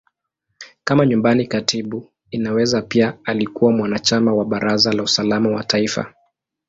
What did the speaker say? Kama Nyumbani Katibu, Inaweza pia alikuwa mwanachama wa Baraza la Usalama wa Taifa.